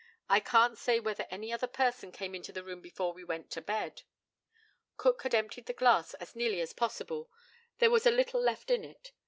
I can't say whether any other person came into the room before we went to bed. Cook had emptied the glass as nearly as possible; there was a little left in it.